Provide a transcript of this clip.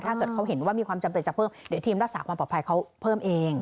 ถ้าเกิดเขาเห็นว่ามีความจำเป็นจะเพิ่มเดี๋ยวทีมรักษาความปลอดภัยเขาเพิ่มเอง